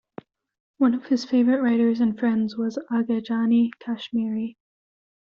One of his favourite writers and friends was Aghajani Kashmeri.